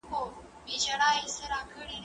که وخت وي، سپينکۍ پرېولم؟